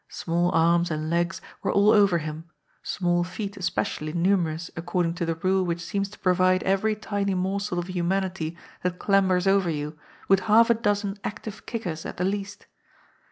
Small arms and legs were all over him, small feet especially numerous according to the rule which seems to provide every tiny morsel of humanity that clambers over you with half a dozen active kickers at the least.